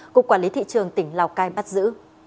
cục quản lý thị trường tỉnh lào cai bắt giữ